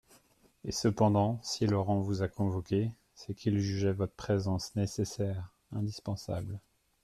Et cependant si Laurent vous a convoqué, c'est qu'il jugeait votre présence nécessaire, indispensable.